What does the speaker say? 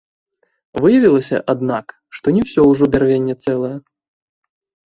Выявілася, аднак, што не ўсё ўжо бярвенне цэлае.